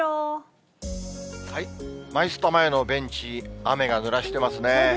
マイスタ前のベンチ、雨がぬらしてますね。